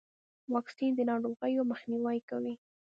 واکسین د ناروغیو مخنیوی کوي.